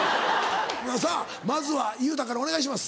さぁまずは裕太からお願いします。